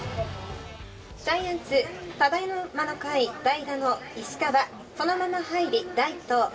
ジャイアンツ、ただ今の回代打の石川、そのまま入りライト。